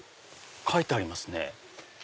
書いてありますね。